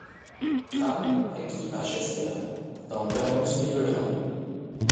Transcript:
Cram naquit à Chester, dans le Vermont semi-rural.